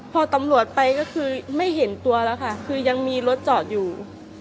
พอตำรวจไปก็คือไม่เห็นตัวแล้วค่ะคือยังมีรถจอดอยู่